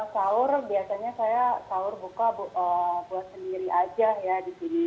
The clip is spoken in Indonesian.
sahur biasanya saya sahur buka buat sendiri aja ya di sini